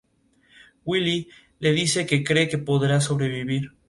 Una imagen de Carmen Kurtz, en el site de Editorial Juventud